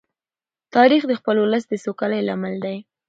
تاریخ د خپل ولس د سوکالۍ لامل دی.